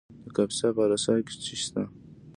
د کاپیسا په اله سای کې څه شی شته؟